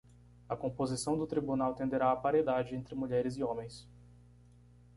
A composição do tribunal tenderá à paridade entre mulheres e homens.